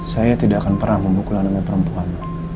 saya tidak akan pernah membukul anaknya perempuan